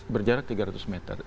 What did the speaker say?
berjarak tiga ratus meter